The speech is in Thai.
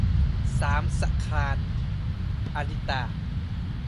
สามสะคราญ - อาริตา